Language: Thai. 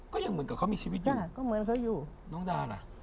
ก็ยังเหมือนกับเขามีชีวิตอยู่น้องดาลล่ะ